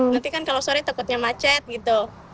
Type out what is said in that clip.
nanti kan kalau sore takutnya macet gitu